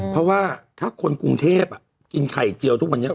เพราะว่าถ้าคนกรุงเทพกินไข่เจียวทุกวันนี้